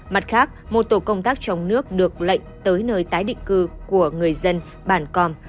mặt khác một tổ công tác trong nước được lệnh tới nơi tái định cư của người dân bản com